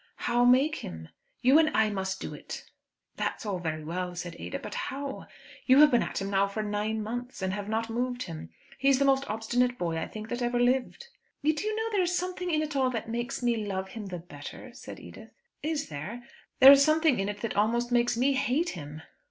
"How make him?" "You and I must do it." "That's all very well," said Ada, "but how? You have been at him now for nine months, and have not moved him. He's the most obstinate boy, I think, that ever lived." "Do you know, there is something in it all that makes me love him the better?" said Edith. "Is there? There is something in it that almost makes me hate him."